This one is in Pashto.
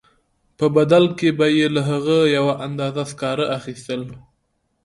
په بدل کې به یې له هغه یوه اندازه سکاره اخیستل